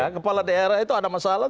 kepala daerah itu ada masalah